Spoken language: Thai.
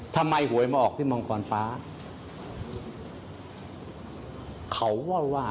ทำไมหวยมาออกที่มังกรฟ้าเขาว่าว่าเขาเล่าว่า